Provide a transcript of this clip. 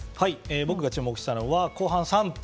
僕が注目したのは後半３分。